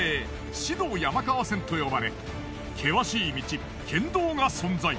志度山川線と呼ばれ険しい道険道が存在。